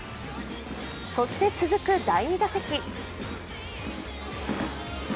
そして続く第２打席。